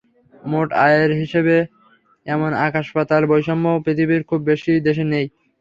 মোট আয়ের হিসাবে এমন আকাশ-পাতাল বৈষম্য পৃথিবীর খুব বেশি দেশে নেই।